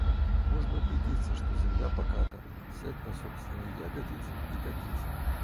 Можно убедиться, что земля поката, — сядь на собственные ягодицы и катись!